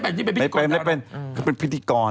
นี่เป็นพิธีกรแล้วนะไม่เป็นเป็นพิธีกร